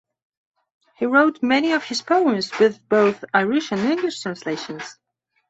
He wrote many of his poems with both Irish and English translations.